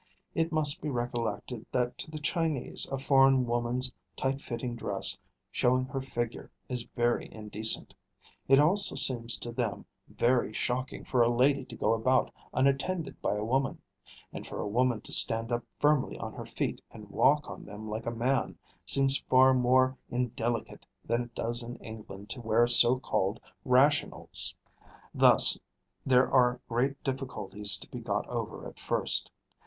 It must be recollected that to the Chinese a foreign woman's tight fitting dress showing her figure is very indecent. It also seems to them very shocking for a lady to go about unattended by a woman; and for a woman to stand up firmly on her feet and walk on them like a man seems far more indelicate than it does in England to wear so called rationals. Thus there are great difficulties to be got over at first.